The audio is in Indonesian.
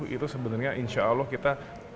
enam puluh itu sebenarnya insya allah kita